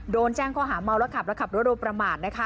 โดนแจ้งข้อหาเมาแล้วขับและขับรถโดยประมาทนะคะ